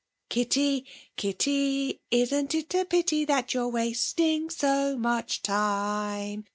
Kitty, Kitty, isn't it a pity, That you're wasting so much time?